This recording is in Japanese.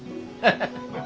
ハハハハ。